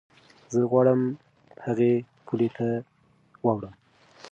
زه غواړم هغې پولې ته واوړم.